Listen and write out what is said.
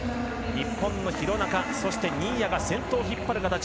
日本の廣中新谷が先頭を引っ張る形。